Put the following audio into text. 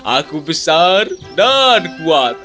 aku besar dan kuat